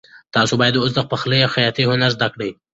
تاسو باید اوس د پخلي او خیاطۍ هنر زده کړئ.